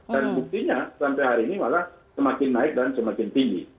buktinya sampai hari ini malah semakin naik dan semakin tinggi